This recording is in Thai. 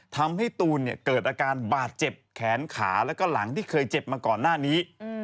ทำให้ตูนเกิดอาการบาดเจ็บแขนขาแล้วก็หลังที่เคยเจ็บมาก่อนหน้านี้